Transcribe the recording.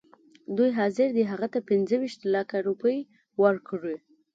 دوی حاضر دي هغه ته پنځه ویشت لکه روپۍ ورکړي.